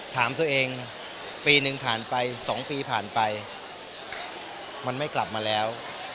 ถามตัวเองปีหนึ่งผ่านไป๒ปีผ่านไปมันไม่กลับมาแล้ว